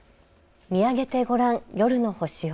見上げてごらん夜の星を。